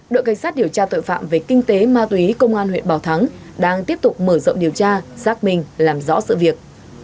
đội cảnh sát điều tra tội phạm về kinh tế ma túy công an huyện bảo thắng đang tiếp tục mở rộng điều tra xác minh làm rõ sự việc